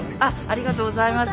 ありがとうございます。